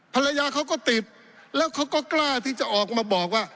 ภรรยาเขาก็ติดแล้วเขาก็กล้าที่จะออกมาบอกว่า